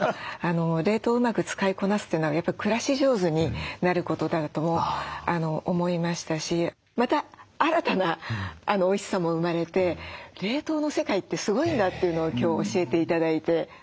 冷凍をうまく使いこなすというのがやっぱり暮らし上手になることだと思いましたしまた新たなおいしさも生まれて冷凍の世界ってすごいんだというのを今日教えて頂いて。